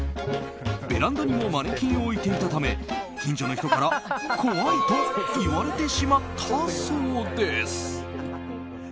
ベランダにもマネキンを置いていたため近所の人から怖いと言われてしまったそうです。